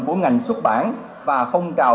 của ngành xuất bản và phong cào